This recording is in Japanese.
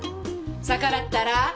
逆らったら。